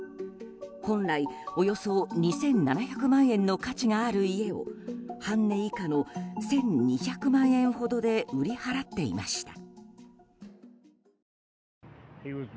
本来、およそ２７００万円の価値がある家を半値以下の１２００万円ほどで売り払っていました。